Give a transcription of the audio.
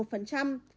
sẽ là một mươi một